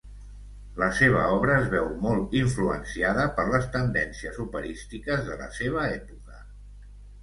La seva obra es veu molt influenciada per les tendències operístiques de la seva època.